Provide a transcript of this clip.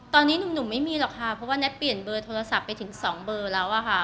ตอนนี้หนุ่มไม่มีหรอกค่ะเพราะว่าแท็กเปลี่ยนเบอร์โทรศัพท์ไปถึง๒เบอร์แล้วอะค่ะ